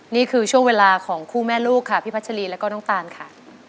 นี่คือช่วงเวลาของคู่แม่ลูกค่ะพี่พัชรีแล้วก็น้องตานค่ะ